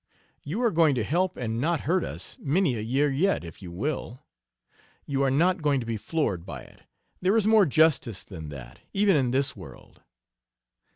You are going to help and not hurt us many a year yet, if you will.... You are not going to be floored by it; there is more justice than that, even in this world."